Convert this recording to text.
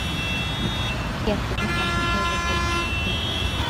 haki ya kumwita mumewe kwa jina lakini